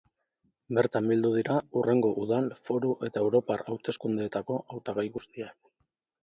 Bertan bildu dira hurrengo udal, foru eta europar hauteskundeetako hautagai guztiak.